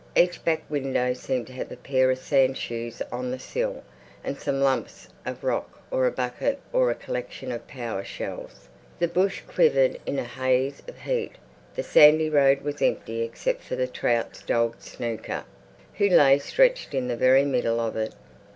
Each back window seemed to have a pair of sand shoes on the sill and some lumps of rock or a bucket or a collection of pawa shells. The bush quivered in a haze of heat; the sandy road was empty except for the Trouts' dog Snooker, who lay stretched in the very middle of it.